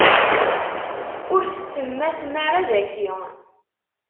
Ur tettemmatem ara daki.